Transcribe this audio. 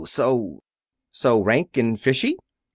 "So rank and fishy?"